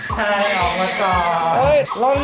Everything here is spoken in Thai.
ใช่ร้องมาจอด